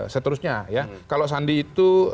seterusnya kalau sandi itu